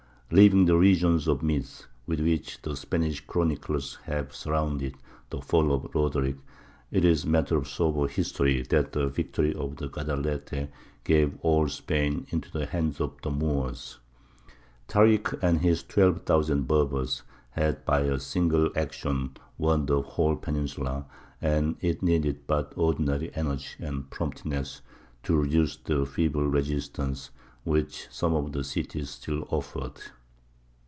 Leaving the regions of myth, with which the Spanish chroniclers have surrounded the fall of Roderick, it is matter of sober history that the victory of the Guadalete gave all Spain into the hands of the Moors. Tārik and his twelve thousand Berbers had by a single action won the whole peninsula, and it needed but ordinary energy and promptness to reduce the feeble resistance which some of the cities still offered.